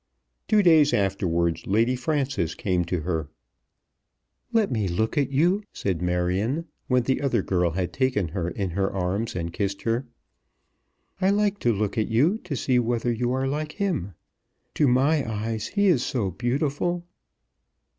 Two days afterwards Lady Frances came to her. "Let me look at you," said Marion, when the other girl had taken her in her arms and kissed her. "I like to look at you, to see whether you are like him. To my eyes he is so beautiful."